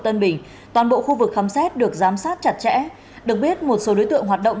tân bình toàn bộ khu vực khám xét được giám sát chặt chẽ được biết một số đối tượng hoạt động